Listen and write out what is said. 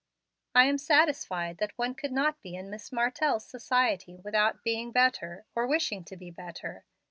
I am satisfied that one could not be in Miss Martell's society without being better, or wishing to be better.